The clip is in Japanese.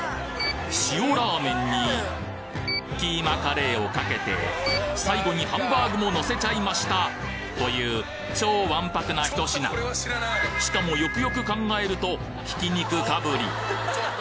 塩ラーメンにキーマカレーをかけて最後にハンバーグものせちゃいました！という超わんぱくなひと品しかもよくよく考えるとひき肉かぶり